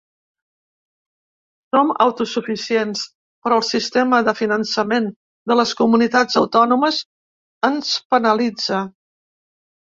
Som autosuficients, però el sistema de finançament de les comunitats autònomes ens penalitza.